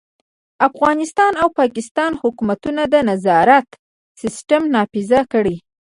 افغانستان او پاکستان حکومتونه د نظارت سیستم نافذ کړي.